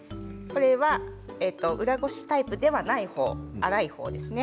裏ごしタイプではない方粗い方です。